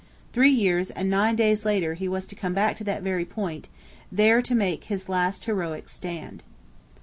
Three years and nine days later he was to come back to that very point, there to make his last heroic stand.